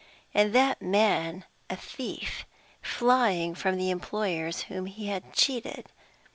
And that man a thief, flying from the employers whom he had cheated!